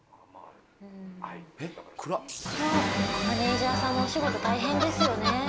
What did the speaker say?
マネージャーさんもお仕事大変ですよね。